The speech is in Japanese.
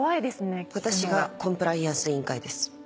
私がコンプライアンス委員会です。